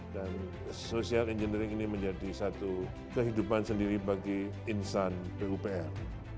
dan social engineering ini menjadi satu kehidupan sendiri bagi insan pupr